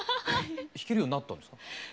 弾けるようになったんですか？